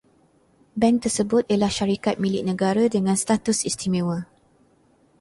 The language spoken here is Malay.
Bank tersebut ialah syarikat milik negara dengan status istimewa